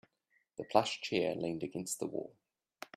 The plush chair leaned against the wall.